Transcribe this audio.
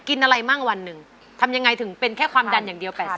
กินอะไรมั่งวันหนึ่งทำยังไงถึงเป็นแค่ความดันอย่างเดียว๘๐